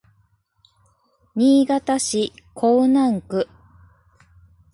新潟市江南区